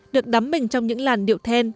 được đắm mình trong những làn điệu then